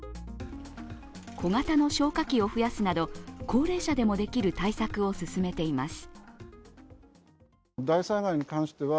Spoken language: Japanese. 小型の消火器を増やすなど高齢者でもできる対策を進めています。